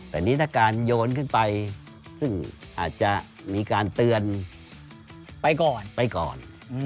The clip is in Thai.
แต่นี่ถ้าการโยนขึ้นไปซึ่งอาจจะมีการเตือนไปก่อนไปก่อน